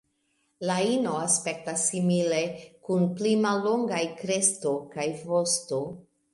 La ino aspektas simile, kun pli mallongaj kresto kaj vosto.